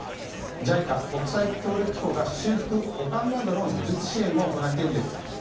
ＪＩＣＡ・国際協力機構が修復・保管などの技術支援も行っているんです。